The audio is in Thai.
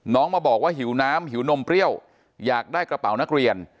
มาบอกว่าหิวน้ำหิวนมเปรี้ยวอยากได้กระเป๋านักเรียน